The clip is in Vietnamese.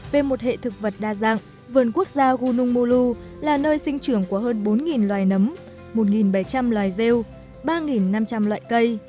về một hệ thực vật đa dạng vườn quốc gia gunung mou là nơi sinh trưởng của hơn bốn loài nấm một bảy trăm linh loài rêu ba năm trăm linh loại cây